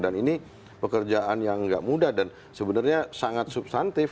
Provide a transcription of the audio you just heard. dan ini pekerjaan yang tidak mudah dan sebenarnya sangat substantif